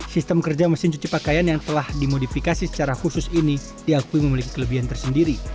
sistem kerja mesin cuci pakaian yang telah dimodifikasi secara khusus ini diakui memiliki kelebihan tersendiri